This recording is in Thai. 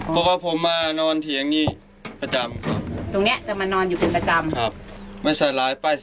เจ้ามันนอนอยู่ที่นี่ประจำครับ